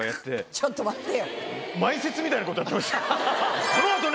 ちょっと待ってよ。